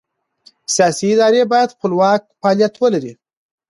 سیاسي ادارې باید خپلواک فعالیت ولري